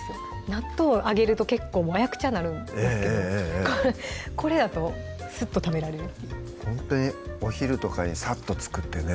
納豆あげると結構わやくちゃなるんですけどこれやとスッと食べられるっていうほんとにお昼とかにサッと作ってね